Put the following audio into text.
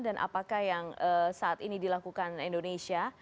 dan apakah yang saat ini dilakukan indonesia